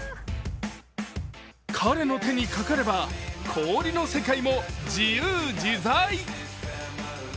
彼の手にかかれば氷の世界も自由自在。